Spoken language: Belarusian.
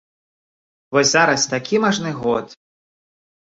Вось зараз такі мажны год.